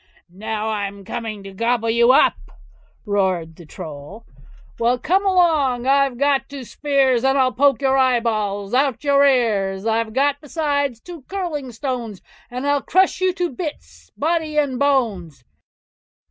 "Now, I'm coming to gobble you up", roared the Troll. Well, come along! I've got two spears, And I'll poke your eyeballs out at your ears; I've got besides two curling stones, And I'll crush you to bits, body and bones.